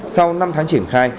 sau năm tháng triển khai